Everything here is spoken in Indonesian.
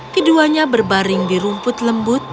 keduanya berbaring di rumput lembut